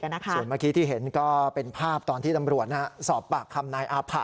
ส่วนเมื่อกี้ที่เห็นก็เป็นภาพตอนที่ตำรวจสอบปากคำนายอาผะ